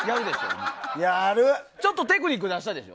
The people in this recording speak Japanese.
ちょっとテクニック出したでしょ。